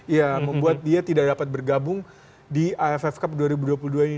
ya membuat dia tidak dapat bergabung di aff cup dua ribu dua puluh dua ini